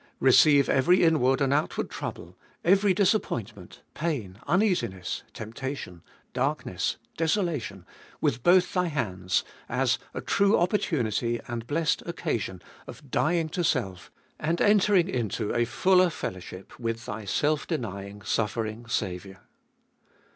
" Receive every inward and outward trouble, every disappointment, pain, uneasiness, temptation, darkness, desolation, with both thy hands, as a true opportunity and blessed occasion of dying to self, and entering into a fuller fellowship with thy self denying, suffering Saviour."